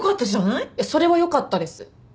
いやそれはよかったです。